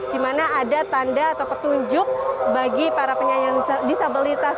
di mana ada tanda atau petunjuk bagi para penyandang disabilitas